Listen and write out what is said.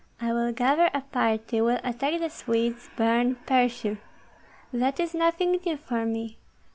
"I will gather a party, will attack the Swedes, burn, pursue. That is nothing new for me!